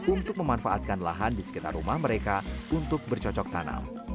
untuk memanfaatkan lahan di sekitar rumah mereka untuk bercocok tanam